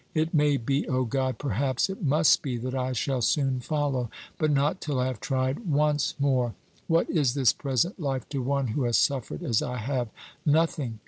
It may be O God perhaps it must be, that I shall soon follow; but not till I have tried once more. What is this present life to one who has suffered as I have? Nothing.